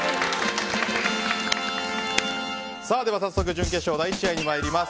では早速準決勝第１試合に参ります。